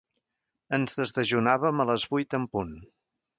Ens desdejunàvem a les vuit en punt.